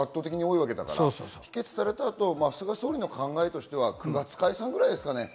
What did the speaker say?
その後、菅総理の考えとしては９月に解散ぐらいですかね。